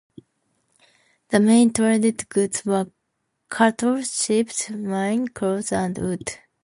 The main traded goods were cattle, sheep, wine, cloth and wood.